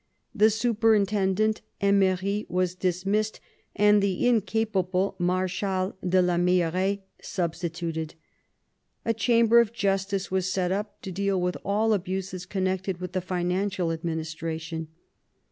The superintendent Emery was dismissed, and the incapable Marshal de la Meilleraye substituted. A chamber of justice was set up, to deal with all abuses connected with the financial administration.